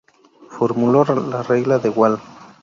Formuló la regla de Wahl.